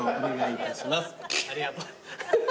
ありがとう。